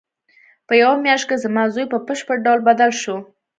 په یوه میاشت کې زما زوی په بشپړ ډول بدل شو